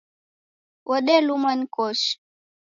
Wodelumwa ni koshi